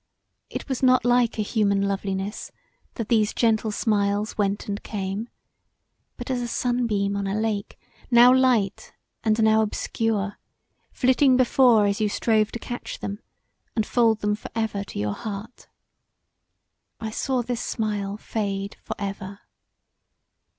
It was not like a human loveliness that these gentle smiles went and came; but as a sunbeam on a lake, now light and now obscure, flitting before as you strove to catch them, and fold them for ever to your heart. I saw this smile fade for ever.